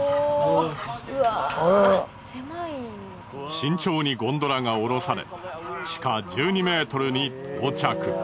慎重にゴンドラが降ろされ地下１２ｍに到着。